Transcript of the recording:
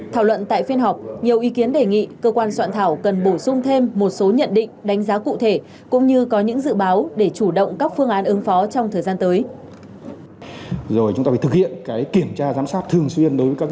thảo luận tại phiên họp nhiều ý kiến đề nghị cơ quan soạn thảo cần bổ sung thêm một số nhận định đánh giá cụ thể cũng như có những dự báo để chủ động các phương án ứng phó trong thời gian tới